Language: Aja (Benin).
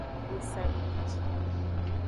Dosa bi ji.